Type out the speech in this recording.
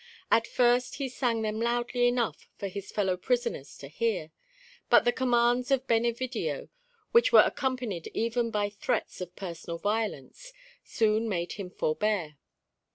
At first he sang them loudly enough for his fellow prisoners to hear; but the commands of Benevidio, which were accompanied even by threats of personal violence, soon made him forbear.